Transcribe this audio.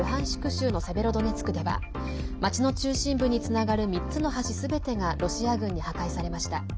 州のセベロドネツクでは町の中心部につながる３つの橋すべてがロシア軍に破壊されました。